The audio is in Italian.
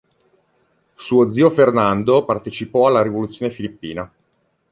Suo zio Fernando partecipò alla rivoluzione filippina.